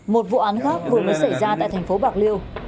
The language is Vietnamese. một vụ án khác vừa mới xảy ra tại thành phố bạc liêu